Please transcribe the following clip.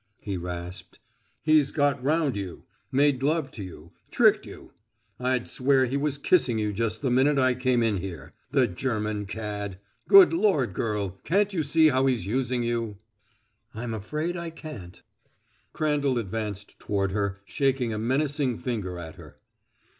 he rasped. "He's got round you made love to you tricked you! I'd swear he was kissing you just the minute I came in here. The German cad! Good lord, girl; can't you see how he's using you?" "I'm afraid I can't." Crandall advanced toward her, shaking a menacing finger at her.